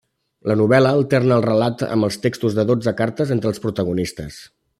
La novel·la alterna el relat amb els textos de dotze cartes entre els protagonistes.